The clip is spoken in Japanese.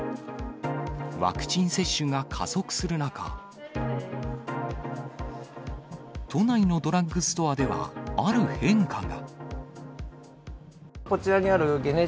ワクチン接種が加速する中、都内のドラッグストアではある変化が。